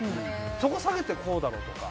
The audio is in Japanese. そこ下げて、こうだろみたいな。